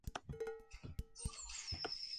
Fueron simultáneas con las elecciones presidenciales.